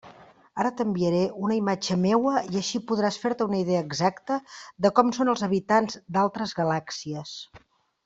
Ara t'enviaré una imatge meua i així podràs fer-te una idea exacta de com són els habitants d'altres galàxies.